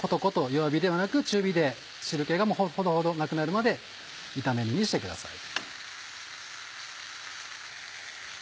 弱火ではなく中火で汁気がなくなるまで炒め煮にしてください。